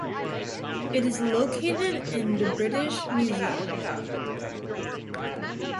It is located in the British Museum.